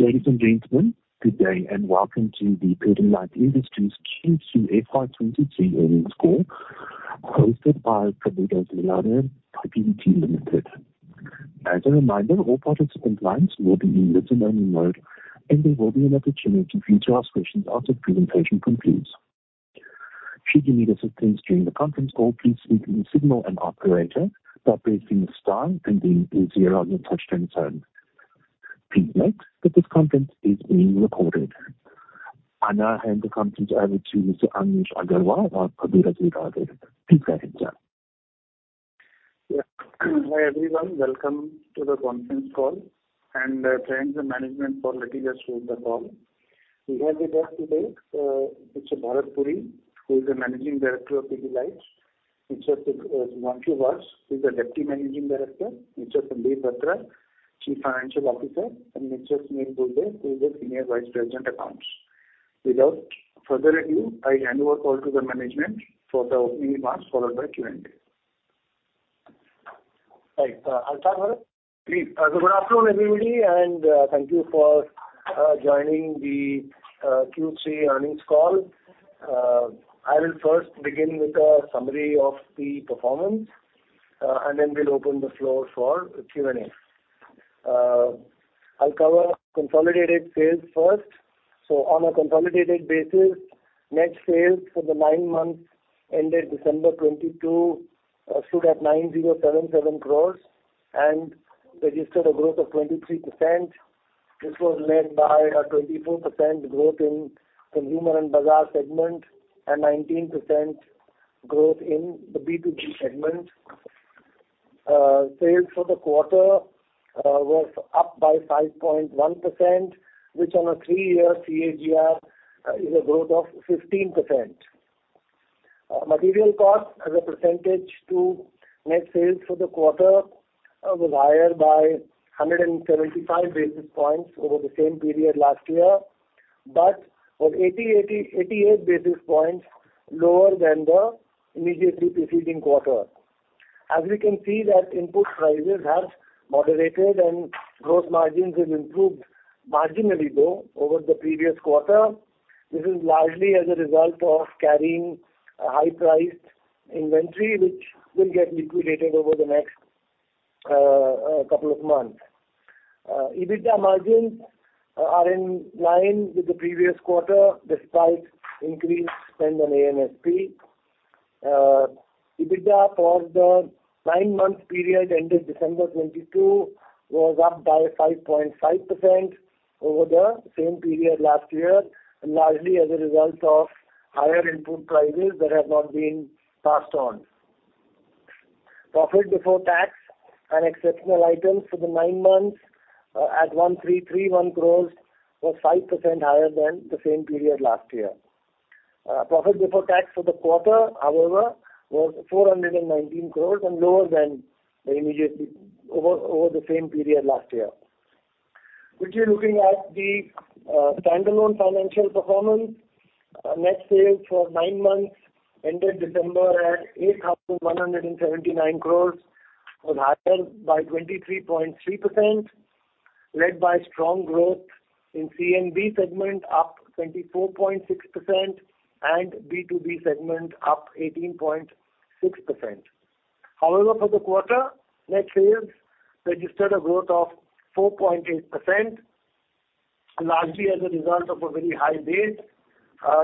Ladies and gentlemen, good day and welcome to the Pidilite Industries Q2 FY23 earnings call hosted by Prabir Dasgupta, Prabhudas Lilladher Private Limited. As a reminder, all participants' lines will be in listen-only mode. There will be an opportunity for you to ask questions after presentation concludes. Should you need assistance during the conference call, please signal an operator by pressing star 0 on your touch-tone phone. Please note that this conference is being recorded. I now hand the conference over to Mr. Anuj Agarwal, Prabir Dasgupta. Please go ahead, sir. Yeah. Hi, everyone. Welcome to the conference call. Thanks the management for letting us host the call. We have with us today, Mr. Bharat Puri, who is the Managing Director of Pidilite. Mr. Sudhanshu Vats, who is the Deputy Managing Director. Mr. Sandeep Batra, Chief Financial Officer, and Mr. Sunil Burde, who is the Senior Vice President Accounts. Without further ado, I hand over call to the management for the opening remarks followed by Q&A. Right. I'll start, Bharat? Please. Good afternoon, everybody, and thank you for joining the Q3 earnings call. I will first begin with a summary of the performance, and then we'll open the floor for Q&A. I'll cover consolidated sales first. On a consolidated basis, net sales for the nine months ended December 2022, stood at 9,077 crores and registered a growth of 23%. This was led by a 24% growth in Consumer and Bazaar segment and 19% growth in the B2G segment. Sales for the quarter, was up by 5.1%, which on a three year CAGR, is a growth of 15%. Material costs as a percentage to net sales for the quarter, was higher by 175 basis points over the same period last year. On 88 basis points lower than the immediately preceding quarter. As we can see that input prices have moderated and gross margins have improved marginally, though, over the previous quarter. This is largely as a result of carrying a high priced inventory, which will get liquidated over the next couple of months. EBITDA margins are in line with the previous quarter, despite increased spend on A&SP. EBITDA for the nine month period ended December 22 was up by 5.5% over the same period last year, largely as a result of higher input prices that have not been passed on. Profit before tax and exceptional items for the nine months, at 1,331 crores was 5% higher than the same period last year. Profit before tax for the quarter, however, was 419 crores and lower than the same period last year. If you're looking at the standalone financial performance, net sales for nine months ended December at 8,179 crores was higher by 23.3%, led by strong growth in C&B segment, up 24.6% and B2B segment up 18.6%. For the quarter, net sales registered a growth of 4.8%, largely as a result of a very high base.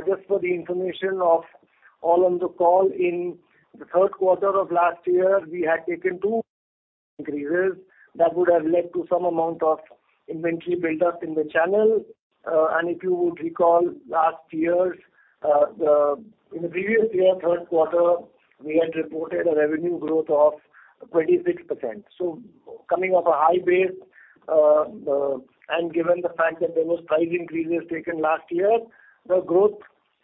Just for the information of all on the call, in the third quarter of last year, we had taken two increases that would have led to some amount of inventory buildup in the channel. If you would recall last year's, in the previous year, third quarter, we had reported a revenue growth of 26%. Coming off a high base, and given the fact that there was price increases taken last year, the growth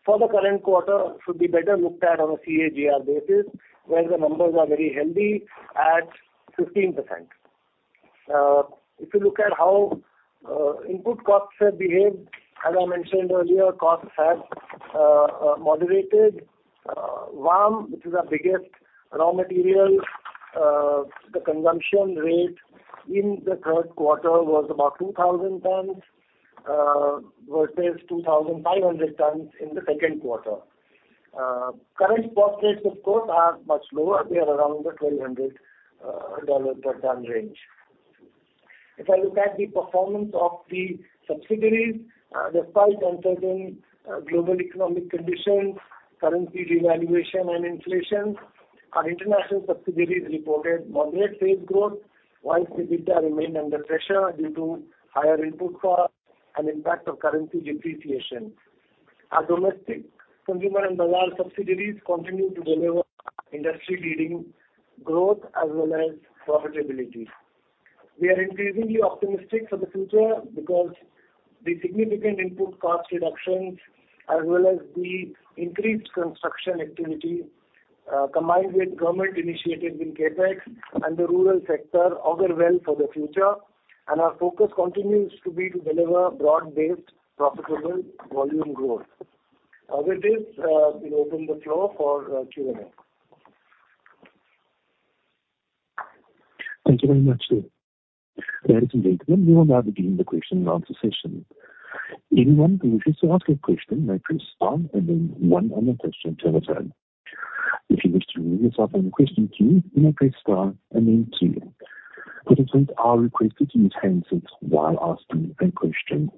for the current quarter should be better looked at on a CAGR basis, where the numbers are very healthy at 15%. If you look at how input costs have behaved, as I mentioned earlier, costs have moderated. VAM, which is our biggest raw material, the consumption rate in the third quarter was about 2,000 tons versus 2,500 tons in the second quarter. Current spot rates, of course, are much lower. They are around the $1,200 per ton range. If I look at the performance of the subsidiaries, despite uncertain global economic conditions, currency devaluation and inflation, our international subsidiaries reported moderate sales growth, while EBITDA remained under pressure due to higher input costs and impact of currency depreciation. Our domestic Consumer and Bazaar subsidiaries continue to deliver industry-leading growth as well as profitability. We are increasingly optimistic for the future because the significant input cost reductions as well as the increased construction activity, combined with government initiatives in CapEx and the rural sector augur well for the future. Our focus continues to be to deliver broad-based, profitable volume growth. With this, we'll open the floor for Q&A. Thank you very much. Ladies and gentlemen, we will now begin the question and answer session. Anyone who wishes to ask a question may press star and then one on the question telephone. If you wish to remove yourself from question queue, you may press star and then two. Participants are requested to use handsets while asking a question.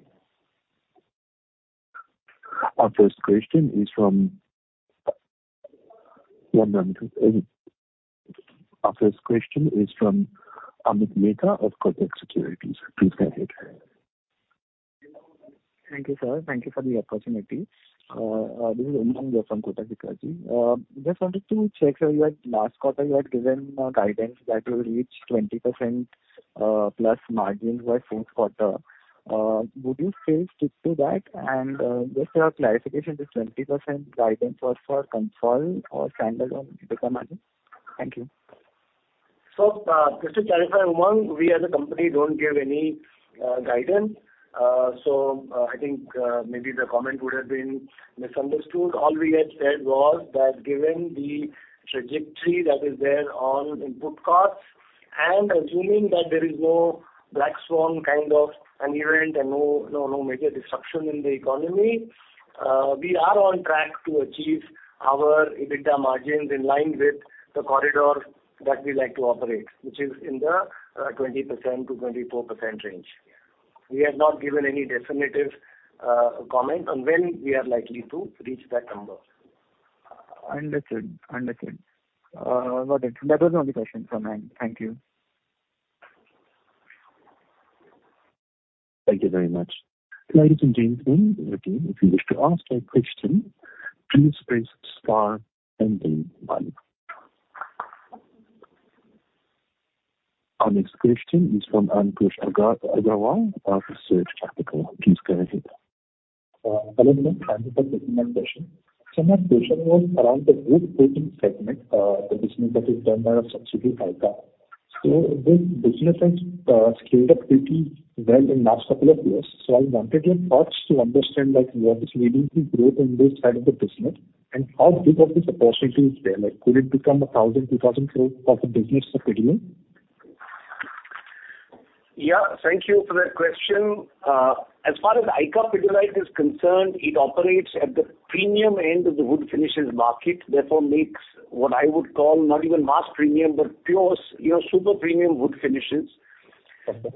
One moment, please. Our first question is from Amit Mehta of Kotak Securities. Please go ahead. Thank you, sir. Thank you for the opportunity. This is Umang Mehta from Kotak Securities. Just wanted to check, sir, you had last quarter, you had given a guidance that you will reach 20% plus margins by fourth quarter. Would you still stick to that? Just for your clarification, this 20% guidance was for console or standard EBITDA margin? Thank you. Just to clarify, Umang, we as a company don't give any guidance. I think maybe the comment would have been misunderstood. All we had said was that given the trajectory that is there on input costs and assuming that there is no black swan kind of an event and no major disruption in the economy, we are on track to achieve our EBITDA margins in line with the corridor that we like to operate, which is in the 20%-24% range. We have not given any definitive comment on when we are likely to reach that number. Understood. noted. That was the only question from my end. Thank you. Thank you very much. Ladies and gentlemen, again, if you wish to ask a question, please press star and then one. Our next question is from Amnish Aggarwal of Spark Capital. Please go ahead. Hello, good morning. Thank you for the presentation. My question was around the wood coating segment, the business that is done by a subsidiary, ICA. This business has scaled up pretty well in last couple of years. I wanted your thoughts to understand, like, what is leading to growth in this side of the business, and how big of this opportunity is there? Like, could it become an 1,000, 2,000 crore type of business for Pidilite? Yeah. Thank you for that question. As far as ICA Pidilite is concerned, it operates at the premium end of the wood finishes market, therefore makes what I would call not even mass premium, but close, you know, super premium wood finishes.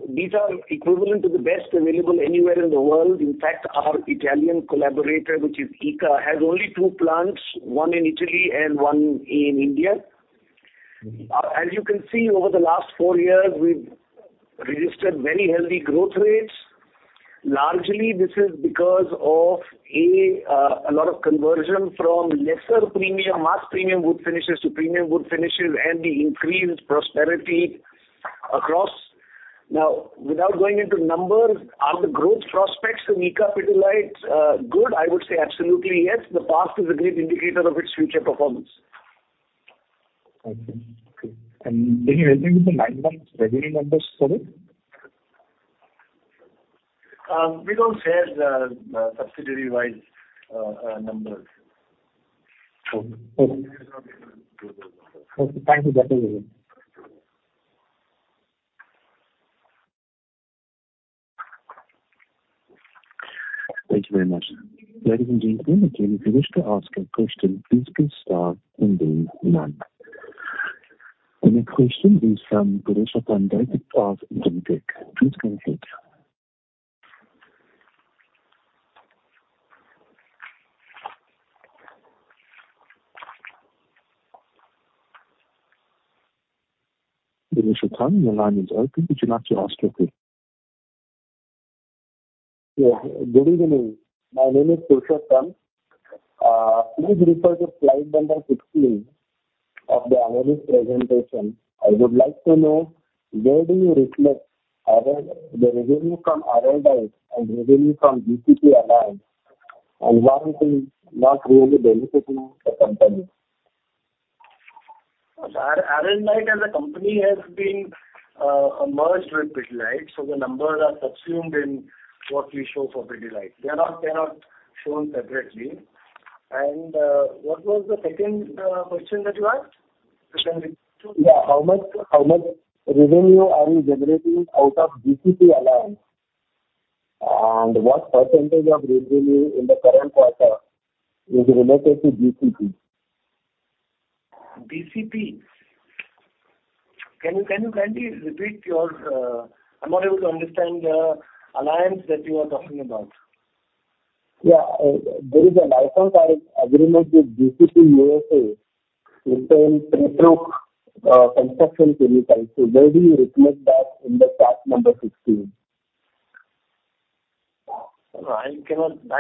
These are equivalent to the best available anywhere in the world. In fact, our Italian collaborator, which is ICA, has only two plants, one in Italy and one in India. As you can see, over the last four years, we've registered very healthy growth rates. Largely this is because of, A, a lot of conversion from lesser premium, mass premium wood finishes to premium wood finishes and the increased prosperity across. Without going into numbers, are the growth prospects in ICA Pidilite good? I would say absolutely yes. The past is a great indicator of its future performance. Okay. Do you remember the nine months revenue numbers for it? We don't share the subsidiary-wise numbers. Okay. Okay. Okay. Thank you. That was all. Thank you very much. Ladies and gentlemen, again, if you wish to ask a question, please press star and then 1. The next question is from Purushottam, Deutsche Bank. Please go ahead. Purushottam, your line is open. Would you like to ask your question? Yeah. Good evening. My name is Purushottam. Please refer to slide number 16 of the analyst presentation. I would like to know where do you reflect the revenue from Araldite and revenue from DCP, and why is it not really visible to the company? Araldite as a company has been merged with Pidilite, so the numbers are subsumed in what we show for Pidilite. They're not shown separately. What was the second question that you asked? Could you repeat? Yeah. How much revenue are you generating out of DCP? What % of revenue in the current quarter is related to DCP? DCP. Can you repeat your... I'm not able to understand the alliance that you are talking about? Yeah. There is a license agreement with DCP USA with the Strongcoat, construction chemical. Where do you reflect that in the chart number 16? I'm not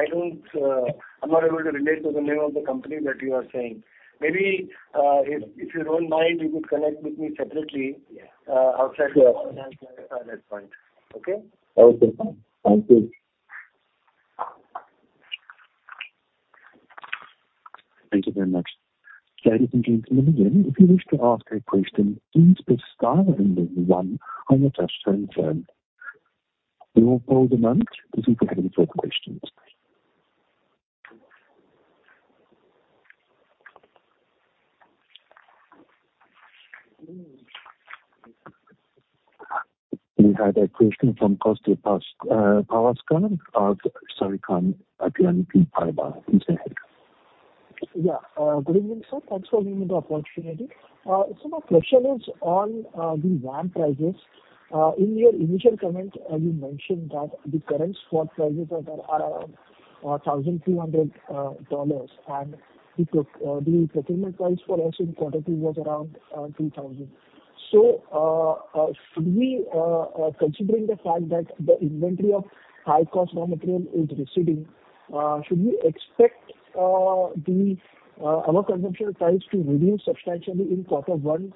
able to relate to the name of the company that you are saying. Maybe, if you don't mind, you could connect with me separately, outside the call and I can clarify that point. Okay? Okay. Thank you. Thank you very much. Ladies and gentlemen, again, if you wish to ask a question, please press star and then one on your touchtone phone. We will hold a moment as we prepare the further questions. We have a question from Kaustubh Pawaskar of Sharekhan by BNP Paribas. Please go ahead. Good evening, sir. Thanks for giving the opportunity. My question is on the VAM prices. In your initial comment, you mentioned that the current spot prices are around $1,300, the procurement price for us in quarter two was around 2,000. Should we, considering the fact that the inventory of high cost raw material is receding, should we expect our consumption price to reduce substantially in quarter 1,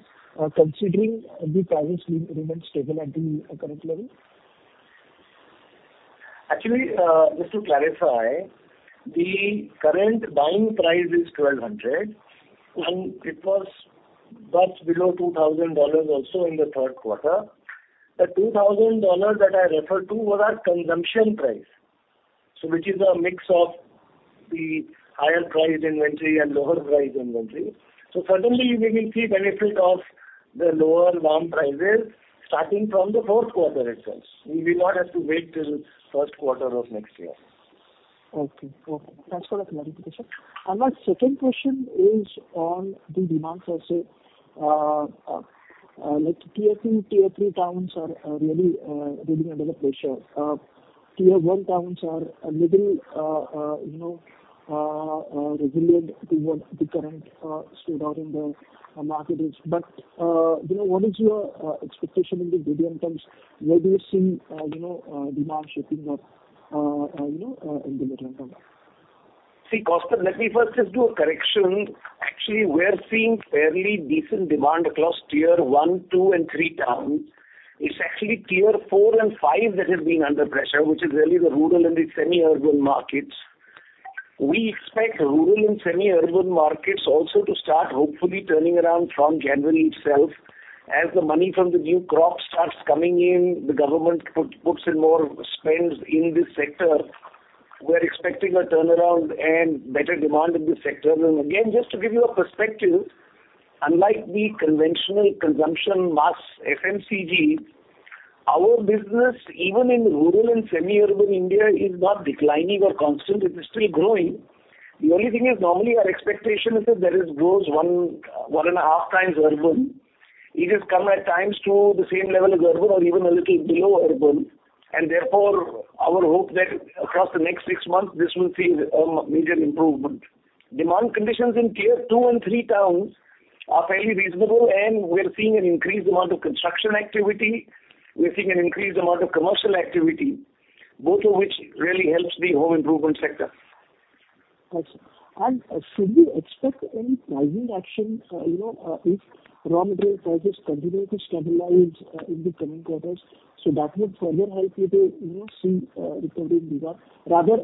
considering the prices remain stable at the current level? Actually, just to clarify, the current buying price is 1,200. It was much below $2,000 also in the third quarter. The $2,000 that I referred to were our consumption price, so which is a mix of the higher priced inventory and lower priced inventory. Certainly we will see benefit of the lower VAM prices starting from the fourth quarter itself. We will not have to wait till first quarter of next year. Okay. Okay. Thanks for the clarification. My second question is on the demands also. Like tier two, tier three towns are really under the pressure. Tier one towns are a little, you know, resilient to what the current state of the market is. What is your expectation in the medium terms? Where do you see, you know, demand shaping up, you know, in the medium term? See, Kaustubh, let me first just do a correction. Actually, we're seeing fairly decent demand across tier 1, two and three towns. It's actually tier four and five that is being under pressure, which is really the rural and the semi-urban markets. We expect rural and semi-urban markets also to start hopefully turning around from January itself. As the money from the new crop starts coming in, the government puts in more spends in this sector. We're expecting a turnaround and better demand in this sector. Again, just to give you a perspective, unlike the conventional consumption mass FMCG, our business, even in rural and semi-urban India, is not declining or constant. It is still growing. The only thing is normally our expectation is that it grows 1 and a half times urban. It has come at times to the same level of urban or even a little below urban. Therefore, our hope that across the next six months this will see a major improvement. Demand conditions in tier two and three towns are fairly reasonable. We're seeing an increased amount of construction activity. We're seeing an increased amount of commercial activity, both of which really helps the home improvement sector. Got you. Should we expect any pricing action, you know, if raw material prices continue to stabilize, in the coming quarters, so that would further help you to, you know, see, recovery in demand?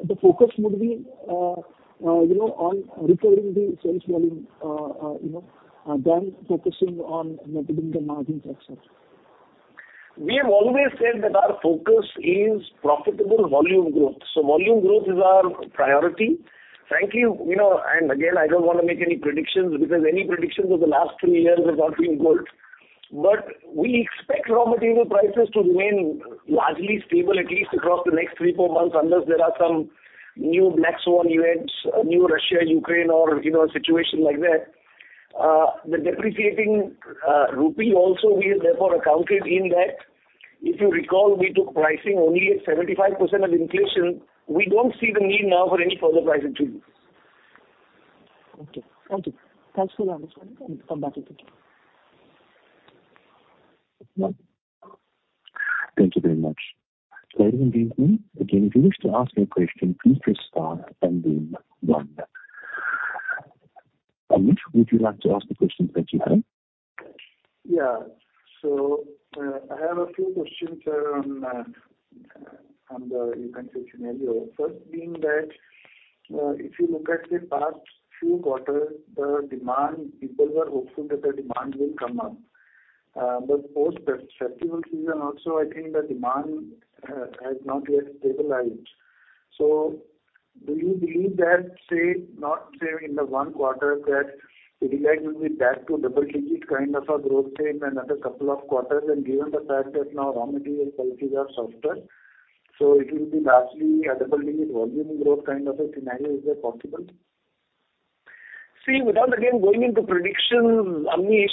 The focus would be, you know, on recovering the sales volume, you know, than focusing on maintaining the margins, et cetera. We have always said that our focus is profitable volume growth, so volume growth is our priority. Thank you know, and again, I don't wanna make any predictions because any predictions over the last three years have not been good. We expect raw material prices to remain largely stable, at least across the next three, four months, unless there are some new black swan events, new Russia, Ukraine or, you know, a situation like that. The depreciating rupee also we have therefore accounted in that. If you recall, we took pricing only at 75% of inflation. We don't see the need now for any further price increases. Okay. Thank you. Thanks for your understanding, and come back if required. Thank you very much. Ladies and gentlemen, again, if you wish to ask a question, please press star and then one. Amnish, would you like to ask the questions that you have? Yeah. I have a few questions on the events scenario. First being that, if you look at the past few quarters, the demand, people were hopeful that the demand will come up. Post festival season also I think the demand has not yet stabilized. Do you believe that, say, not say in the one quarter, that Pidilite will be back to double digits kind of a growth rate in another couple of quarters? Given the fact that now raw material prices are softer, it will be largely a double-digit volume growth kind of a scenario. Is that possible? See, without again going into prediction, Amnish,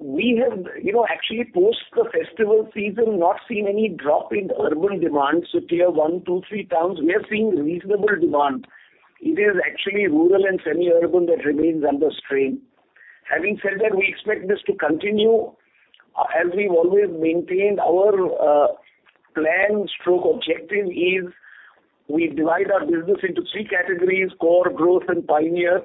we have, you know, actually post the festival season, not seen any drop in urban demand. Tier one, two, three towns, we are seeing reasonable demand. It is actually rural and semi-urban that remains under strain. Having said that, we expect this to continue. As we've always maintained, our plan/objective is we divide our business into three categories: core, growth, and pioneer.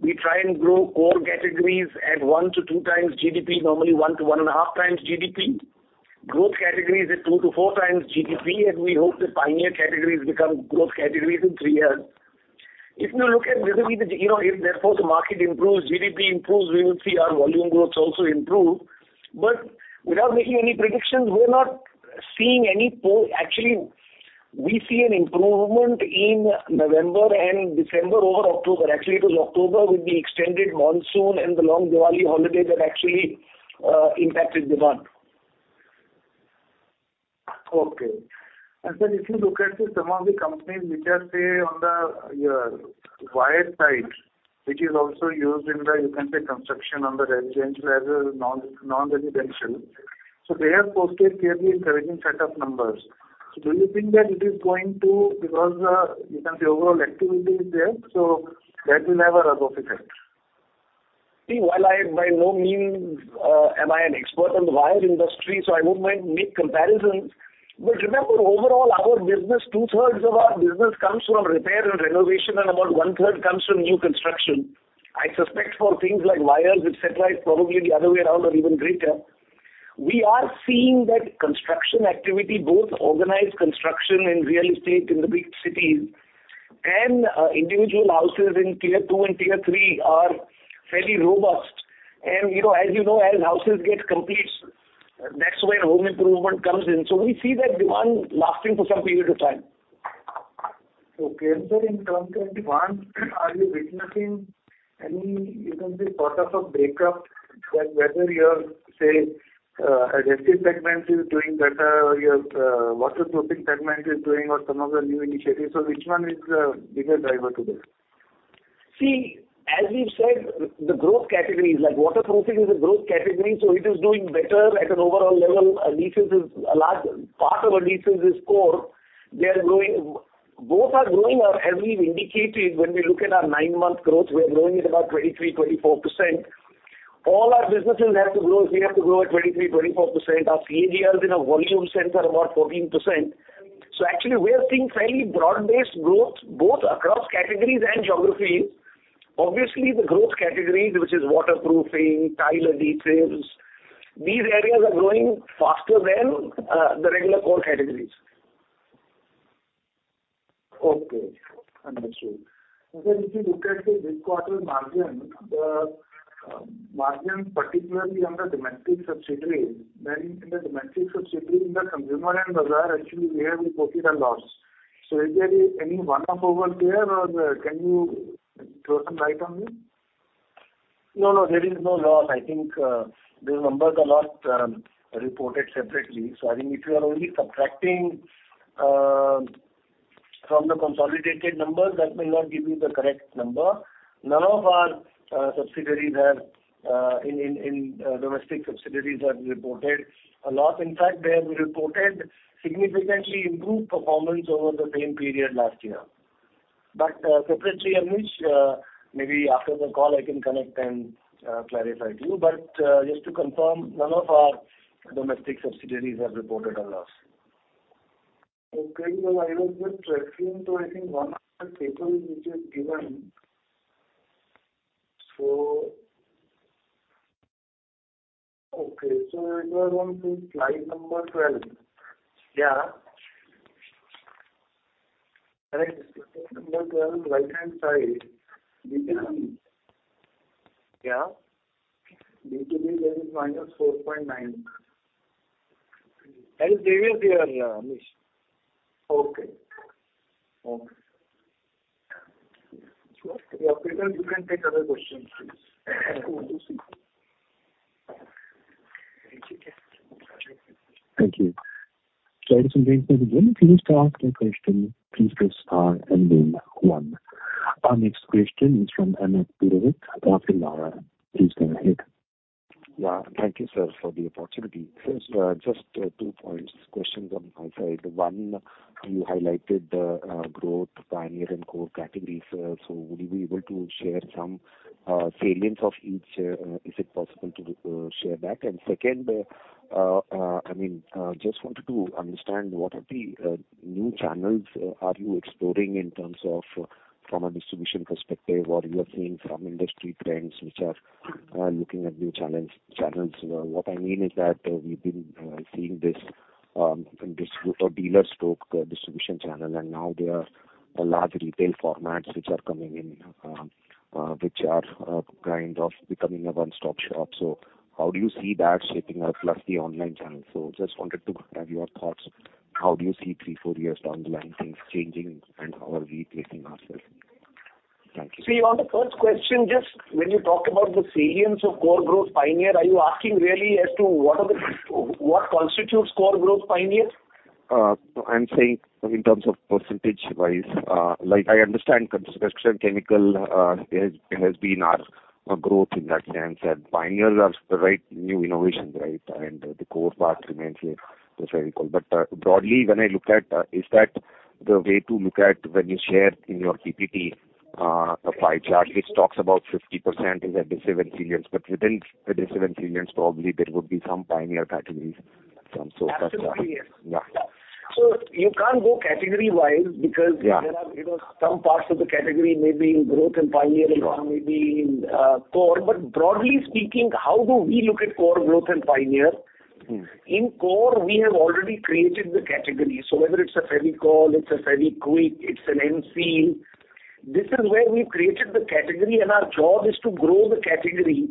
We try and grow core categories at one to two times GDP, normally one to 1.5 times GDP. Growth categories at two to four times GDP, and we hope the pioneer categories become growth categories in three years. If you look at this, you know, if therefore the market improves, GDP improves, we will see our volume growth also improve. Without making any predictions, we're not seeing any post... Actually, we see an improvement in November and December over October. Actually, it was October with the extended monsoon and the long Diwali holiday that actually impacted demand. Okay. If you look at some of the companies which are, say, on the wire side, which is also used in the, you can say, construction on the residential as a non-residential. They have posted fairly encouraging set of numbers. Do you think that it is going to because, you can say overall activity is there, so that will have a rub-off effect? While I by no means am I an expert on the wire industry, so I won't make comparisons. Remember, overall, our business, 2/3 of our business comes from repair and renovation, and about 1/3 comes from new construction. I suspect for things like wires, etcetera, it's probably the other way around or even greater. We are seeing that construction activity, both organized construction and real estate in the big cities and individual houses in tier two and tier three are fairly robust. You know, as you know, as houses get complete, that's where home improvement comes in. We see that demand lasting for some period of time. Okay. sir, in term 21, are you witnessing any, you can say, sort of a breakup that whether your, say, adhesive segment is doing better or your, waterproofing segment is doing or some of the new initiatives? Which one is the bigger driver to this? As we've said, the growth categories, like waterproofing is a growth category, it is doing better at an overall level. Part of adhesives is core. They are growing. Both are growing as we've indicated when we look at our nine-month growth, we're growing at about 23%, 24%. All our businesses have to grow. They have to grow at 23%, 24%. Our CAGRs in a volume sense are about 14%. Actually we are seeing fairly broad-based growth both across categories and geographies. Obviously, the growth categories, which is waterproofing, tile adhesives, these areas are growing faster than the regular core categories. Okay, understood. Sir, if you look at the this quarter margin, the margin particularly on the domestic subsidiary, then in the domestic subsidiary, in the consumer and other actually they have reported a loss. Is there any one-off over there or can you throw some light on this? No, no, there is no loss. I think these numbers are not reported separately. I think if you are only subtracting from the consolidated numbers, that may not give you the correct number. None of our subsidiaries have domestic subsidiaries have reported a loss. In fact, they have reported significantly improved performance over the same period last year. Separately, Amnish, maybe after the call I can connect and clarify to you. Just to confirm, none of our domestic subsidiaries have reported a loss. Okay. No, I was just tracking. I think one of the tables which is given. Okay. If you are on slide number 12. Yeah. Sorry, slide number 12, right-hand side. Yeah. EBITDA there is -4.9%. That is previous year, yeah, Amnish. Okay. Okay. Operator you can take other questions, please. Thank you. I just want to bring this again. If you wish to ask a question, please press star and then one. Our next question is from Amit Purohit, Elara Capital. Please go ahead. Yeah. Thank you, sir, for the opportunity. Sir, just two points, questions on my side. One, you highlighted the growth, pioneer and core categories. Would you be able to share some salience of each? Is it possible to share that? Second, I mean, just wanted to understand what are the new channels are you exploring in terms of from a distribution perspective, what you are seeing from industry trends which are looking at new channels. What I mean is that we've been seeing this dealer spoke distribution channel and now there are large retail formats which are coming in, which are kind of becoming a one-stop shop. How do you see that shaping up plus the online channels? Just wanted to have your thoughts, how do you see three, four years down the line things changing and how are we placing ourselves? Thank you. On the first question, just when you talk about the salience of core growth pioneer, are you asking really as to what constitutes core growth pioneer? I'm saying in terms of percentage wise, like I understand construction chemical has been our growth in that sense. Pioneer are the right new innovations, right? The core part remains the Fevicol. Broadly, when I look at, is that the way to look at when you share in your PPT, a pie chart which talks about 50% is adhesive and sealants, but within adhesive and sealants probably there would be some pioneer categories some sort of- Absolutely, yes. Yeah. You can't go category-wise. Yeah. There are, you know, some parts of the category may be in growth and pioneer... Yeah. One may be in, core. Broadly speaking, how do we look at core growth and pioneer? Mm-hmm. In core, we have already created the category. Whether it's a Fevicol, it's a FeviKwik, it's an M-Seal. This is where we've created the category and our job is to grow the category.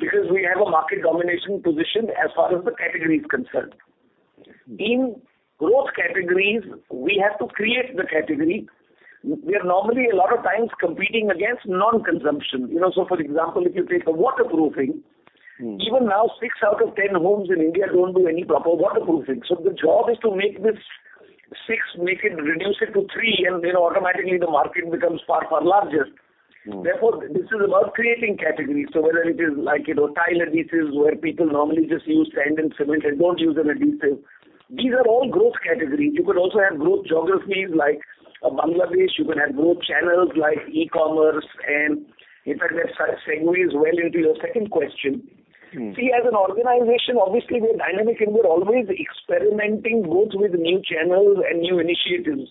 Because we have a market domination position as far as the category is concerned. In growth categories, we have to create the category. We are normally a lot of times competing against non-consumption. You know, for example, if you take a waterproofing. Mm-hmm. Even now, six out of ten homes in India don't do any proper waterproofing. The job is to make this six, reduce it to three, and you know, automatically the market becomes far, far larger. Mm-hmm. This is about creating categories. Whether it is like, you know, tile adhesives where people normally just use sand and cement and don't use an adhesive, these are all growth categories. You could also have growth geographies like Bangladesh. You can have growth channels like e-commerce and in fact, that segues well into your second question. Mm-hmm. As an organization, obviously we're dynamic, we're always experimenting both with new channels and new initiatives.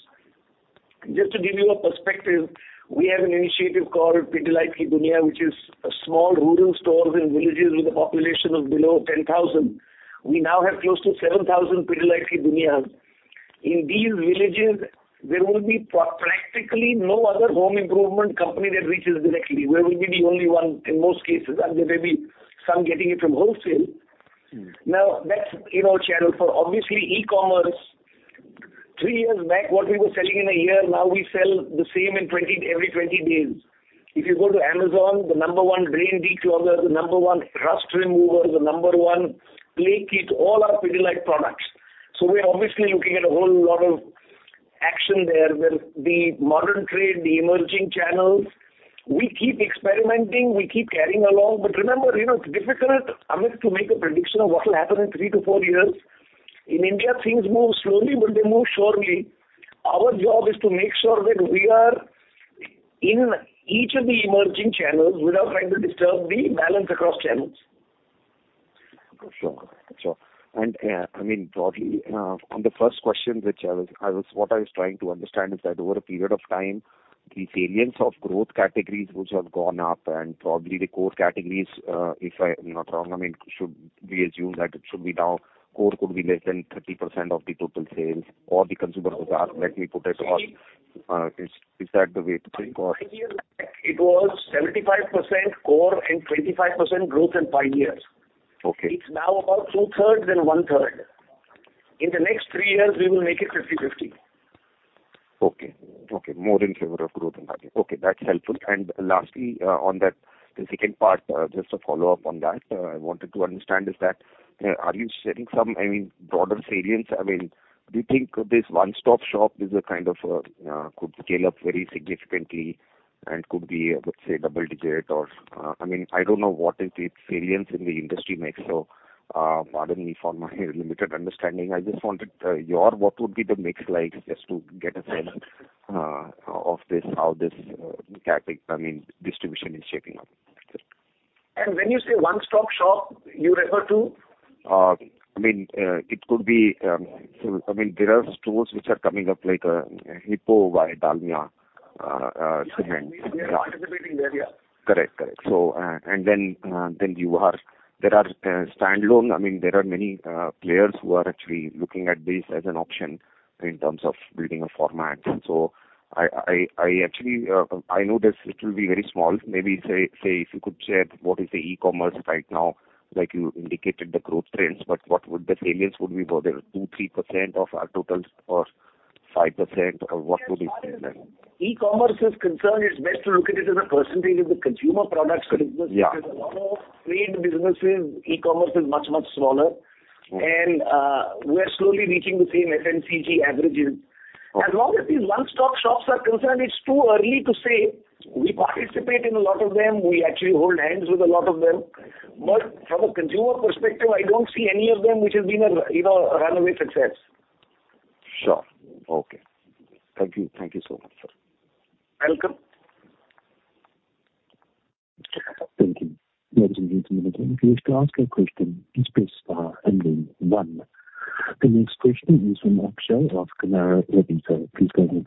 Just to give you a perspective, we have an initiative called Pidilite Ki Duniya, which is a small rural stores in villages with a population of below 10,000. We now have close to 7,000 Pidilite Ki Duniya. In these villages, there will be practically no other home improvement company that reaches directly. We will be the only one in most cases, there may be some getting it from wholesale. Mm-hmm. That's in our channel. For obviously e-commerce, three years back what we were selling in a year, now we sell the same in 20, every 20 days. If you go to Amazon, the number 1 drain declogger, the number one rust remover, the number 1 leak kit, all are Pidilite products. We are obviously looking at a whole lot of action there. There's the modern trade, the emerging channels. We keep experimenting. We keep carrying along. Remember, you know, it's difficult, Amit, to make a prediction of what will happen in thee to four years. In India, things move slowly, but they move surely. Our job is to make sure that we are in each of the emerging channels without trying to disturb the balance across channels. Sure. Sure. I mean, probably on the first question, which I was trying to understand is that over a period of time, the variance of growth categories which have gone up and probably the core categories, if I'm not wrong, I mean, should we assume that it should be now core could be less than 30% of the total sales or the Consumer and Bazaar, let me put it, or is that the way to think or? Five years back it was 75% core and 25% growth in five years. Okay. It's now about 2/3 and 1/3. In the next three years we will make it 50/50. Okay. Okay. More in favor of growth in that case. Okay, that's helpful. Lastly, on that, the second part, just a follow-up on that, I wanted to understand is that, are you setting some, I mean, broader variance? I mean, do you think this one-stop shop is a kind of, could scale up very significantly and could be, let's say, double digit or, I mean, I don't know what is the variance in the industry mix, so, pardon me for my limited understanding. I just wanted, your what would be the mix like just to get a sense, of this, how this, I mean, distribution is shaping up. That's it. When you say one-stop shop, you refer to? I mean, it could be, I mean, there are stores which are coming up like, Hippo by Dalmia Cement. We are participating there, yeah. Correct. Correct. There are standalone. I mean, there are many players who are actually looking at this as an option in terms of building a format. I actually, I know this it will be very small. Maybe say, if you could share what is the e-commerce right now, like you indicated the growth trends, but what would the variance would be? Whether 2%, 3% of our total or 5% or what would be fair then? As far as e-commerce is concerned, it's best to look at it as a % of the consumer products business. Yeah. Because a lot of trade businesses, e-commerce is much, much smaller. Mm-hmm. We are slowly reaching the same FMCG averages. Okay. As long as these one-stop shops are concerned, it's too early to say. We participate in a lot of them. We actually hold hands with a lot of them. From a consumer perspective, I don't see any of them which has been a you know, a runaway success. Sure. Okay. Thank you. Thank you so much, sir. Welcome. Thank you. Ladies and gentlemen, if you wish to ask a question, please press star and then one. The next question is from Akshaya of Canara Robeco. Please go ahead.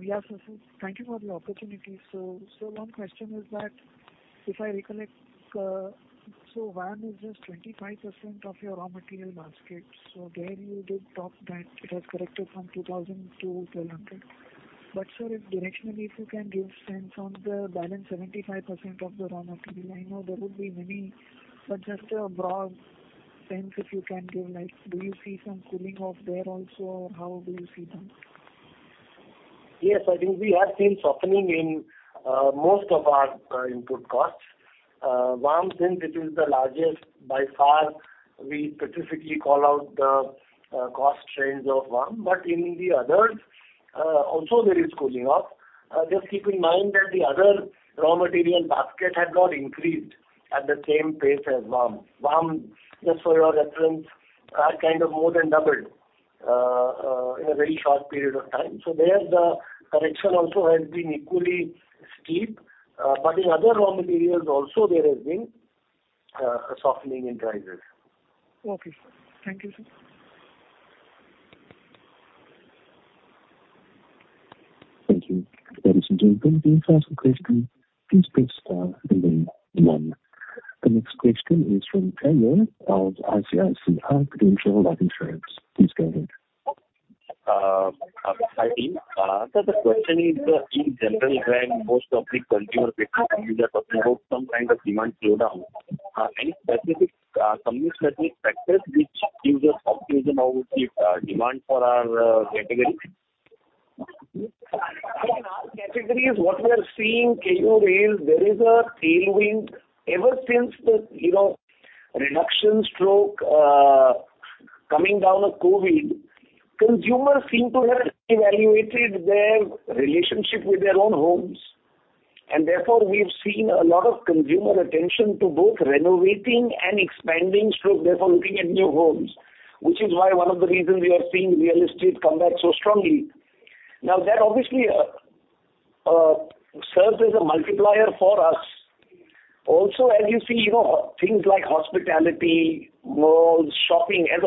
Yes, sir. Thank you for the opportunity. One question is that if I recollect, VAM is just 25% of your raw material basket. There you did talk that it has corrected from 2,000-1,200. Sir, if directionally if you can give sense on the balance 75% of the raw material. I know there would be many, but just a broad sense if you can give, like do you see some cooling off there also or how do you see them? I think we have seen softening in most of our input costs. VAM since it is the largest by far, we specifically call out the cost trends of VAM. In the others also there is cooling off. Just keep in mind that the other raw material basket had not increased at the same pace as VAM. VAM, just for your reference, kind of more than doubled in a very short period of time. There the correction also has been equally steep. In other raw materials also there has been a softening in prices. Okay, sir. Thank you, sir. Thank you. Ladies and gentlemen, to ask a question, please press star and then 1. The next question is from Tanya of ICICI Prudential Life Insurance. Please go ahead. Hi, team. Sir, the question is, in general when most of the consumer goods companies are talking about some kind of demand slowdown, any specific, company specific factors which gives us optimism about the demand for our category? In our categories, what we are seeing crude oil, there is a tailwind. Ever since the, you know, reduction stroke, coming down of COVID, consumers seem to have evaluated their relationship with their own homes. Therefore, we've seen a lot of consumer attention to both renovating and expanding stroke, therefore looking at new homes. Which is why one of the reasons we are seeing real estate come back so strongly. Now, that obviously, serves as a multiplier for us. Also, as you see, you know, things like hospitality, malls, shopping, As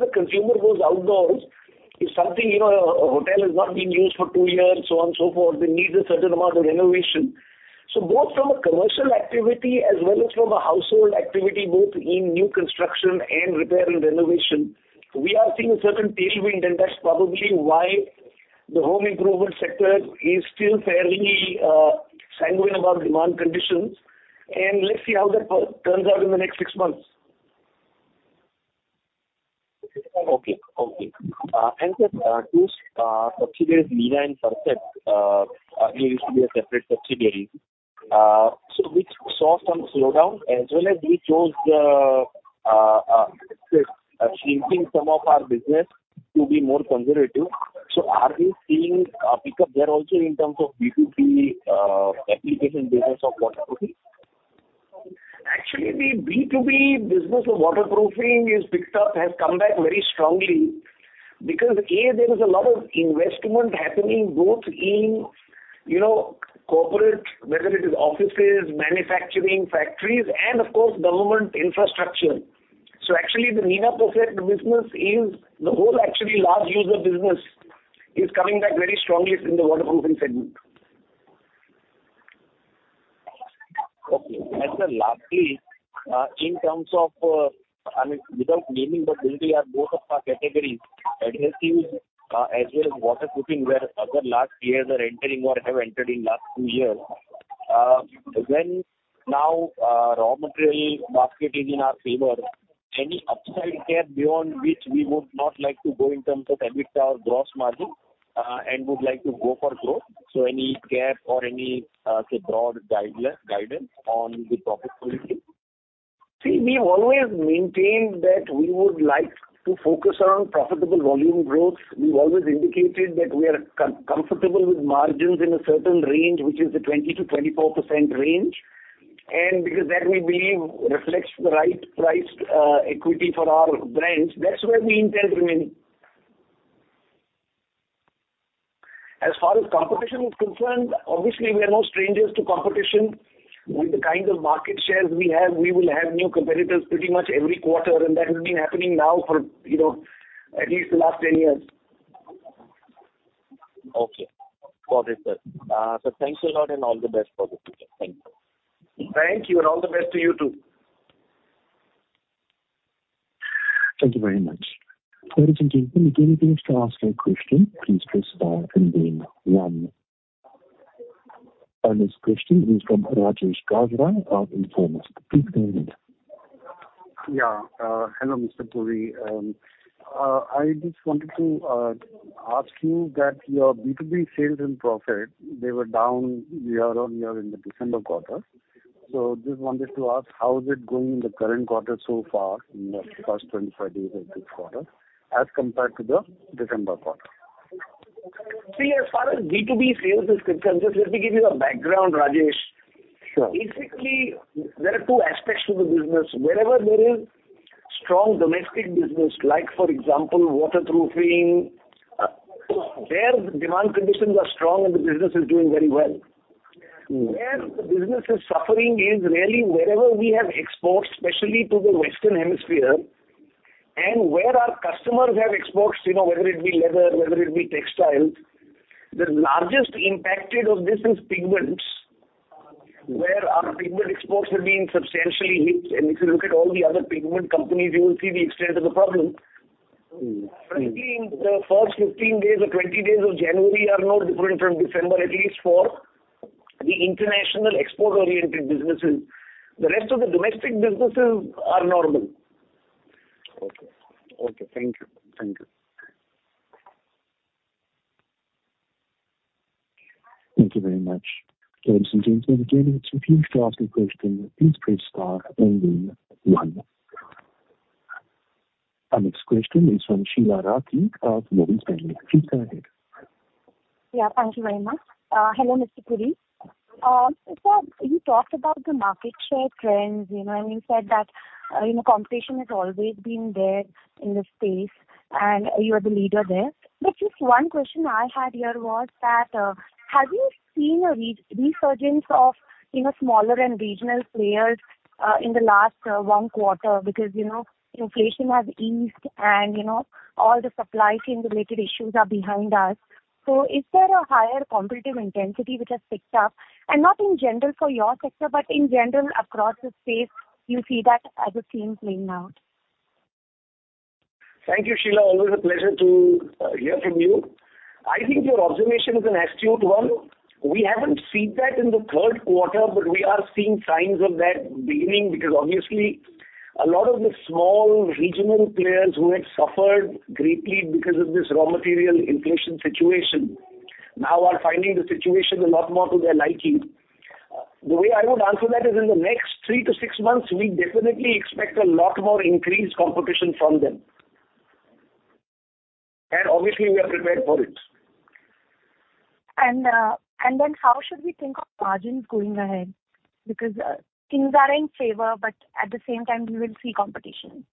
the consumer goes outdoors, if something, you know, a hotel has not been used for two years, so on and so forth, it needs a certain amount of renovation. Both from a commercial activity as well as from a household activity, both in new construction and repair and renovation, we are seeing a certain tailwind, and that's probably why the home improvement sector is still fairly sanguine about demand conditions. Let's see how that turns out in the next six months. Okay. Okay. And sir, those subsidiaries, Nina and Percept used to be a separate subsidiary, which saw some slowdown as well as we chose shrinking some of our business to be more conservative. So are we seeing a pickup there also in terms of B2B application business of waterproofing? Actually, the B2B business of waterproofing is picked up, has come back very strongly because, A, there is a lot of investment happening both in, you know, corporate, whether it is offices, manufacturing factories and of course government infrastructure. Actually the Nina Percept business is the whole actually large user business is coming back very strongly in the waterproofing segment. Okay. Sir, lastly, in terms of, I mean, without naming the building or both of our categories, adhesives, as well as waterproofing, where other large players are entering or have entered in last two years, when now, raw material basket is in our favor, any upside cap beyond which we would not like to go in terms of EBITDA or gross margin, and would like to go for growth, any cap or any, say, broad guidance on the profitability? We've always maintained that we would like to focus on profitable volume growth. We've always indicated that we are comfortable with margins in a certain range, which is the 20%-24% range. Because that we believe reflects the right priced equity for our brands, that's where we intend to remain. As far as competition is concerned, obviously we are no strangers to competition. With the kind of market shares we have, we will have new competitors pretty much every quarter, that has been happening now for, you know, at least the last 10 years. Okay. Got it, sir. Thanks a lot and all the best for the future. Thank you. Thank you, and all the best to you too. Thank you very much. Ladies and gentlemen, if anything else to ask a question, please press star and then one. Our next question is from Rajesh Gajra of Informist. Please go ahead. Yeah. Hello, Mr. Puri. I just wanted to ask you that your B2B sales and profit, they were down year-over-year in the December quarter. Just wanted to ask, how is it going in the current quarter so far in the first 25 days of this quarter as compared to the December quarter? As far as B2B sales is concerned, just let me give you a background, Rajesh. Sure. Basically, there are two aspects to the business. Wherever there is strong domestic business, like for example, waterproofing, there demand conditions are strong and the business is doing very well. Mm-hmm. Where the business is suffering is really wherever we have exports, especially to the Western Hemisphere and where our customers have exports, you know, whether it be leather, whether it be textiles. The largest impacted of this is pigments. Mm-hmm. where our pigment exports have been substantially hit. If you look at all the other pigment companies, you will see the extent of the problem. Mm-hmm. In the first 15 days or 20 days of January are no different from December, at least for the international export-oriented businesses. The rest of the domestic businesses are normal. Okay. Okay. Thank you. Thank you. Thank you very much. Ladies and gentlemen, if you have anything else you wish to ask a question, please press star and then one. Our next question is from Sheela Rathi of Morgan Stanley. Please go ahead. Yeah. Thank you very much. Hello, Mr. Puri. You talked about the market share trends, you know, and you said that, you know, competition has always been there in the space and you are the leader there. Just one question I had here was that, have you seen a resurgence of, you know, smaller and regional players in the last one quarter? You know, inflation has eased and, you know, all the supply chain related issues are behind us. Is there a higher competitive intensity which has picked up? Not in general for your sector, but in general across the space, you see that as a theme playing out. Thank you, Sheela. Always a pleasure to hear from you. I think your observation is an astute one. We haven't seen that in the 3rd quarter, but we are seeing signs of that beginning because obviously a lot of the small regional players who had suffered greatly because of this raw material inflation situation now are finding the situation a lot more to their liking. The way I would answer that is in the next 3-6 months, we definitely expect a lot more increased competition from them. Obviously we are prepared for it. Then how should we think of margins going ahead? Things are in favor, but at the same time we will see competition.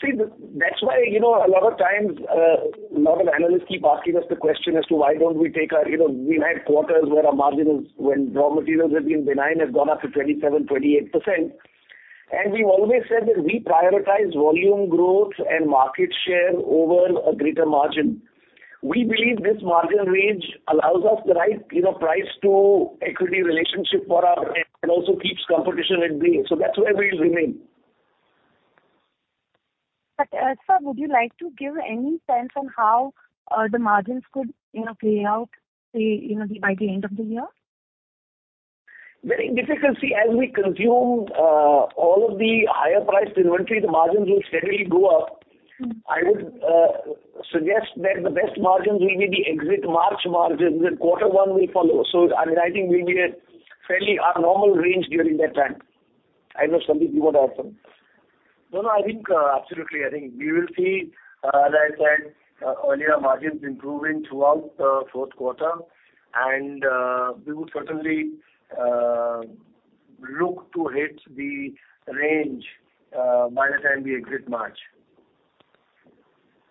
See, that's why, you know, a lot of times, a lot of analysts keep asking us the question as to why don't we take our. You know, we had quarters where our margin, when raw materials have been benign, have gone up to 27%-28%. We've always said that we prioritize volume growth and market share over a greater margin. We believe this margin range allows us the right, you know, price to equity relationship for our and also keeps competition at bay. That's where we remain. Sir, would you like to give any sense on how the margins could, you know, play out, say, you know, by the end of the year? Very difficult. See, as we consume all of the higher priced inventory, the margins will steadily go up. Mm-hmm. I would suggest that the best margins will be the exit March margins, and quarter one will follow. I mean, I think we'll be at fairly our normal range during that time. I know, Sandip, you want to add something? No, no, I think absolutely. I think we will see, as I said earlier, margins improving throughout the fourth quarter. We would certainly look to hit the range by the time we exit March.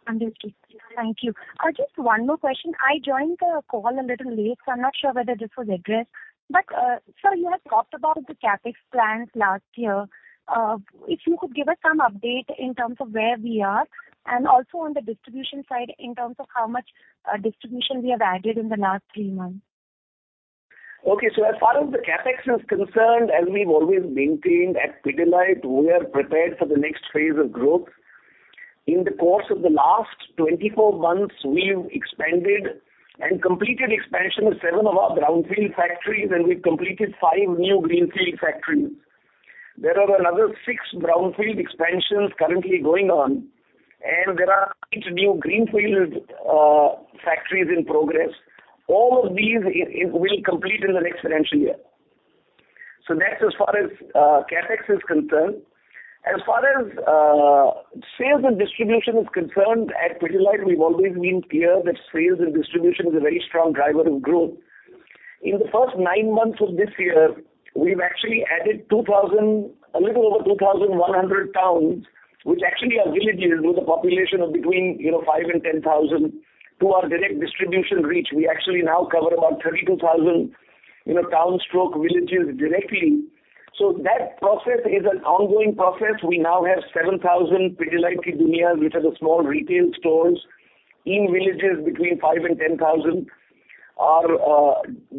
Understood. Thank you. Just one more question. I joined the call a little late, so I'm not sure whether this was addressed. Sir, you had talked about the CapEx plans last year. If you could give us some update in terms of where we are, and also on the distribution side in terms of how much distribution we have added in the last 3 months. Okay. As far as the CapEx is concerned, as we've always maintained at Pidilite, we are prepared for the next phase of growth. In the course of the last 24 months, we've expanded and completed expansion of seven of our brownfield factories, and we've completed five new greenfield factories. There are another six brownfield expansions currently going on, and there are each new greenfield factories in progress. All of these will complete in the next financial year. That's as far as CapEx is concerned. As far as sales and distribution is concerned, at Pidilite we've always been clear that sales and distribution is a very strong driver of growth. In the first nine months of this year, we've actually added a little over 2,100 towns, which actually are villages with a population of between, you know, 5 and 10,000, to our direct distribution reach. We actually now cover about 32,000, you know, towns/villages directly. That process is an ongoing process. We now have 7,000 Pidilite Ki Duniya, which are the small retail stores in villages between 5 and 10,000. Our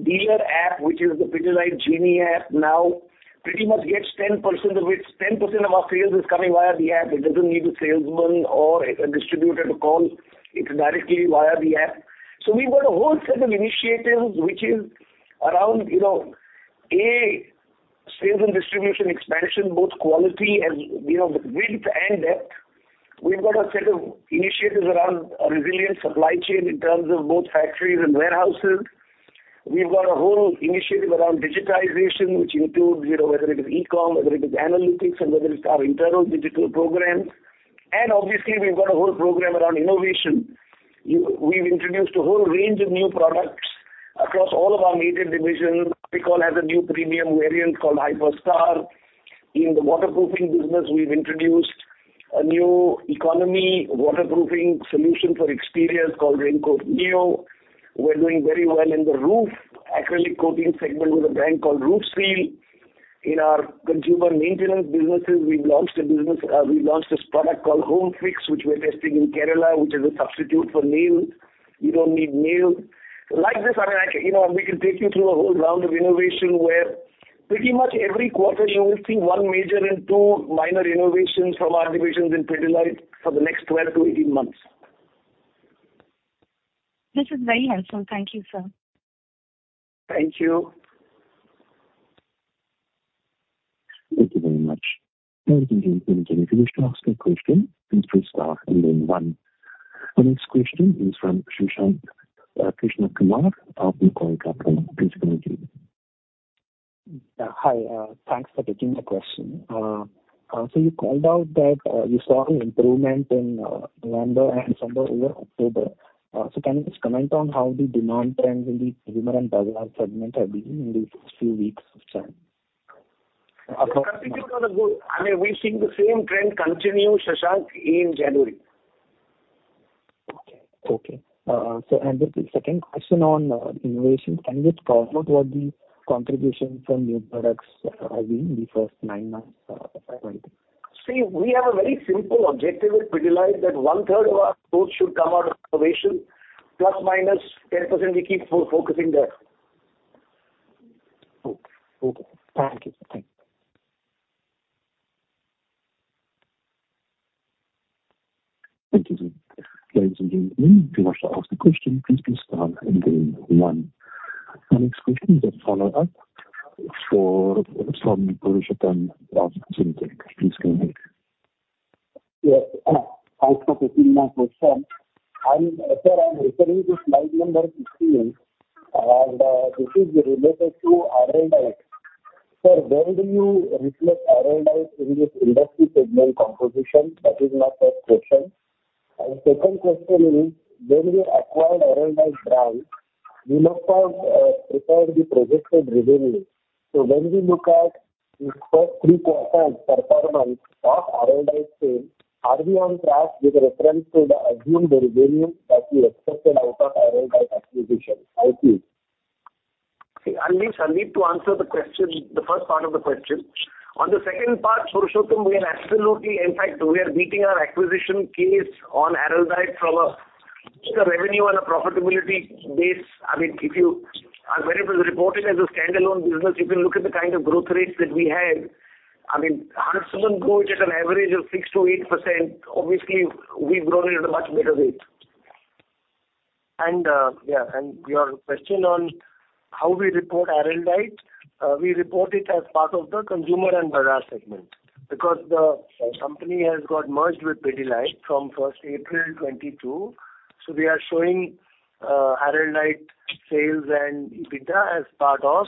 dealer app, which is the Pidilite Genie app, now pretty much gets 10% of our sales is coming via the app. It doesn't need a salesman or a distributor to call. It's directly via the app. We've got a whole set of initiatives which is around, you know, A, sales and distribution expansion, both quality and, you know, with width and depth. We've got a set of initiatives around a resilient supply chain in terms of both factories and warehouses. We've got a whole initiative around digitization, which includes, you know, whether it is e-com, whether it is analytics, and whether it's our internal digital programs. Obviously we've got a whole program around innovation. We've introduced a whole range of new products across all of our major divisions. Piacciolar has a new premium variant called Hi-Per Star. In the waterproofing business, we've introduced a new economy waterproofing solution for exteriors called Raincoat Neo. We're doing very well in the roof acrylic coating segment with a brand called Roof Seal. In our consumer maintenance businesses, we've launched this product called Home Fix, which we're testing in Kerala, which is a substitute for nails. You don't need nails. Like this, I mean, I can, you know, we can take you through a whole round of innovation where pretty much every quarter you will see one major and two minor innovations from our divisions in Pidilite for the next 12-18 months. This is very helpful. Thank you, sir. Thank you. Thank you very much. Now we can take the next in queue. If you wish to ask a question, please press star and then one. Our next question is from Shashank Krishnakumar of Kotak Investment Advisors. Hi. Thanks for taking the question. You called out that you saw an improvement in November and December over October. Can you just comment on how the demand trends in the consumer and DIY segment have been in these first few weeks of time? I think I mean, we've seen the same trend continue, Shashank, in January. Okay. Okay. Just a second question on innovation. Can you just call out what the contribution from new products have been in the first nine months of FY19? See, we have a very simple objective at Pidilite that one-third of our growth should come out of innovation, ±10%. We keep focusing there. Okay. Thank you. Thank you. Thank you, sir. Ladies and gentlemen, if you wish to ask a question, please press star and then one. Our next question is a follow-up from Purushottam from Upstox. Please go ahead. Yeah. Thanks for taking my question. Sir, I'm referring to slide number 16 and this is related to Araldite. Sir, where do you reflect Araldite in this industry segment composition? That is my first question. Second question is, when we acquired Araldite brand, you must have prepared the projected revenue. When we look at this first three quarters performance of Araldite sales, are we on track with reference to the assumed revenue that we expected out of Araldite acquisition? Thank you. See, I'll need to answer the question, the first part of the question. On the second part, Purushottam, we are absolutely, in fact, we are beating our acquisition case on Araldite from a revenue and a profitability base. I mean, if you, when it was reported as a standalone business, if you look at the kind of growth rates that we had, I mean, Huntsman grew it at an average of 6%-8%. Obviously, we've grown it at a much better rate. Yeah, and your question on how we report Araldite, we report it as part of the Consumer and Bazaar segment. Because the company has got merged with Pidilite from 1st April 2022, so we are showing Araldite sales and EBITDA as part of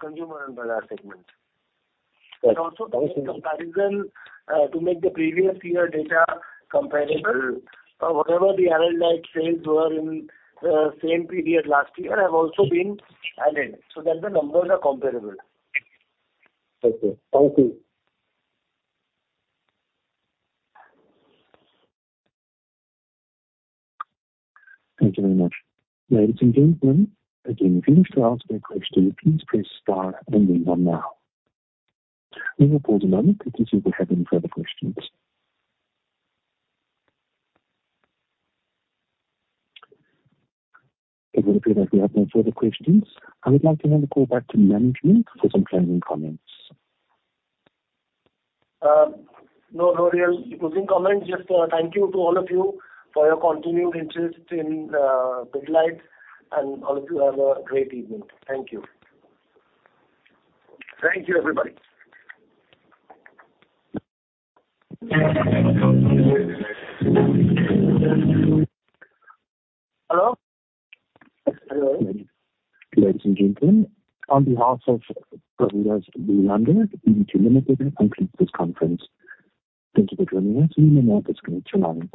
Consumer and Bazaar segment. Okay. Thank you. Also to make a comparison, to make the previous year data comparable, whatever the Araldite sales were in the same period last year have also been added, so that the numbers are comparable. Okay, thank you. Thank you very much. Ladies and gentlemen, again, if you wish to ask a question, please press star and then one now. We will pause a moment to see if we have any further questions. It would appear that we have no further questions. I would like to now go back to management for some closing comments. No, no real closing comments. Just thank you to all of you for your continued interest in Pidilite. All of you have a great evening. Thank you. Thank you, everybody. Hello? Hello? Ladies and gentlemen, on behalf of Prabhudas Lilladher, we need to limit it and conclude this conference. Thank you for joining us, you may now disconnect your lines.